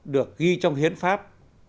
được ghi trong hiến pháp